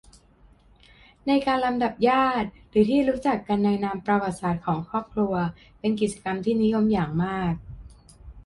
ในการลำดับญาติ หรือที่รู้จักกันในนามผระวัติศาสตร์ของครอบครัว เป็นกิจกรรมที่นิยมอย่างมาก